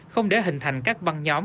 không để hình thành các băng nhóm